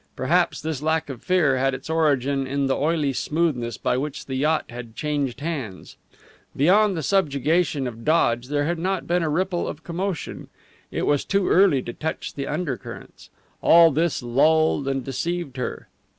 Perhaps this lack of fear had its origin in the oily smoothness by which the yacht had changed hands. Beyond the subjugation of Dodge, there had not been a ripple of commotion. It was too early to touch the undercurrents. All this lulled and deceived her.